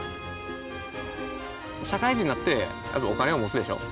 社会人になってお金を持つでしょ。